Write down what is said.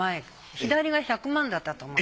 左が１００万だったと思う。